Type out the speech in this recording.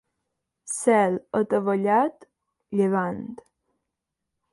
Cel atavellat, llevant.